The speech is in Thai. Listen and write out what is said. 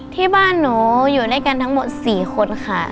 ที่บ้านหนูอยู่ด้วยกันทั้งหมด๔คนค่ะ